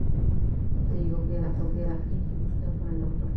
Otra variedad de higo criada e introducida por el Dr.